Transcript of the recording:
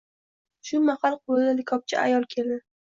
Shu mahal qo‘lida likopcha ayol keldi.